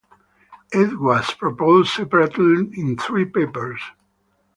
It was proposed separately in three papers.